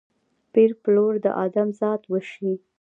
پېر پلور د ادم ذات وشي